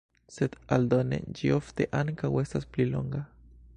Sed aldone ĝi ofte ankaŭ estas pli longa.